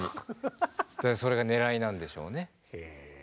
それがねらいなんでしょうね。